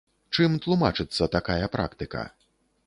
Чым тлумачыцца такая практыка?